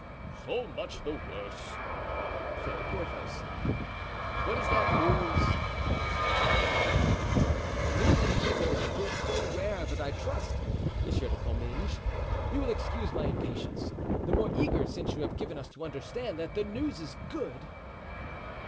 "So much the worse," said Porthos. "What is that news?" asked D'Artagnan. "News in prison is a fruit so rare that I trust, Monsieur de Comminges, you will excuse my impatience—the more eager since you have given us to understand that the news is good."